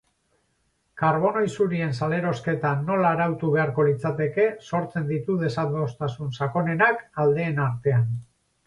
Karbono isurien salerosketa nola arautu beharko litzateke sortzen ditu desadostasun sakonenak aldeen artean.